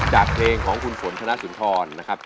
จากเพลงของคุณฝนธนสุนทรนะครับ